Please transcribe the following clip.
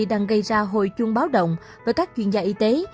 đang gây ra hồi chuông báo động với các chuyên gia y tế